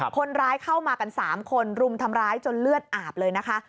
คนร้ายเข้ามากัน๓คนรุมทำร้ายจนเลือดอาบเลยนะคะ